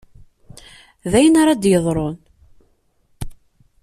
D ayen ara d-yeḍrun.